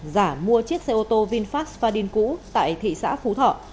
giả mua chiếc xe ô tô vinfast fadin cũ tại thị xã phú thọ